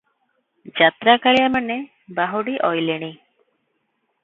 ଯାତ୍ରାକାଳିଆମାନେ ବାହୁଡ଼ି ଅଇଲେଣି ।